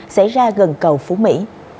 xảy ra gần cầu phú mỹ